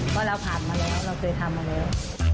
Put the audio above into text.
เพราะเราผ่านมาแล้วเราเคยทำมาแล้ว